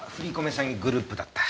詐欺グループだった。